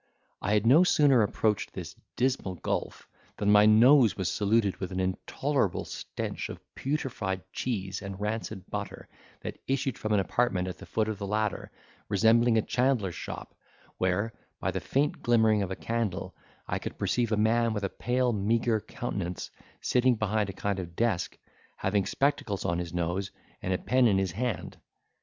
I had no sooner approached this dismal gulph, than my nose was saluted with an intolerable stench of putrified cheese and rancid butter, that issued from an apartment at the foot of the ladder, resembling a chandler's shop, where, by the faint glimmering of a candle, I could perceive a man with a pale, meagre countenance, sitting behind a kind of desk, having spectacles on his nose, and a pen in his hand.